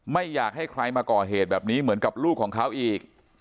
ไม่อยากให้ใครมาก่อเหตุแบบนี้เหมือนกับลูกของเขาอีก